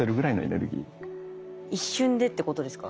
一瞬でってことですか？